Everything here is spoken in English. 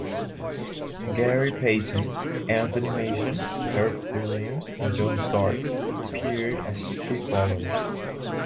Gary Payton, Anthony Mason, Herb Williams, and John Starks appeared as streetballers.